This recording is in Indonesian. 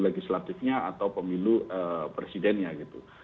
legislatifnya atau pemilu presidennya gitu